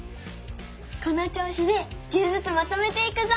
このちょうしで１０ずつまとめていくぞ！